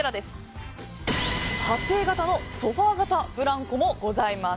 派生型のソファ型ブランコもございます。